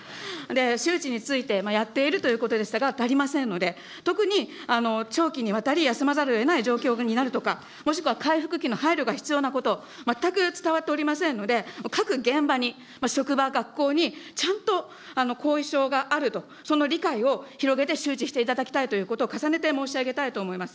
周知についてやっているということでしたが、足りませんので、特に長期にわたり休まざるをえない状況になるとか、もしくは回復期の配慮が必要なこと、全く伝わっておりませんので、各現場に、職場、学校にちゃんと後遺症があると、その理解を広げて周知していただきたいということを重ねて申し上げたいと思います。